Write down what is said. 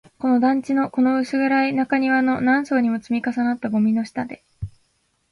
この団地の、この薄暗い中庭の、何層にも積み重なったゴミの下で